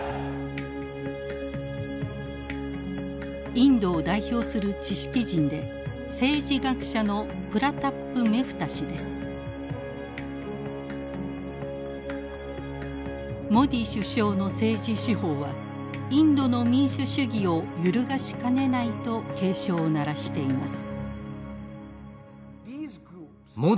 インドを代表する知識人でモディ首相の政治手法はインドの民主主義を揺るがしかねないと警鐘を鳴らしています。